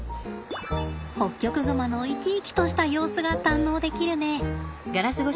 ホッキョクグマの生き生きとした様子が堪能できるね。